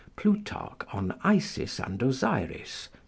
Plutarch on Isis and Osiris, c.